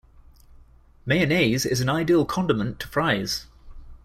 Mayonnaise is an ideal condiment to Fries.